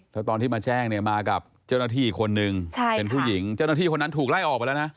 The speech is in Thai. แล้วตอนที่มาแจ้งเนี่ยมากับเจ้าหน้าที่อีกคนนึงเป็นผู้หญิงเจ้าหน้าที่คนนั้นถูกไล่ออกไปแล้วนะ